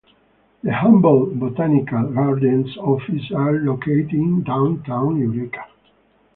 The Humboldt Botanical Gardens offices are located in Downtown Eureka.